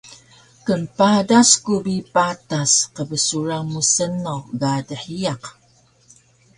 kmpadas ku bi patas qbsuran mu snaw ga dhiyaq